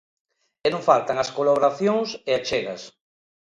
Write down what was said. E non faltan as colaboracións e achegas.